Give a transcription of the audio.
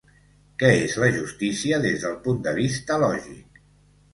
Què és la justícia des del punt de vista lògic?